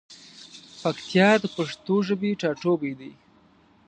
پکتیا د پښتو ژبی ټاټوبی دی.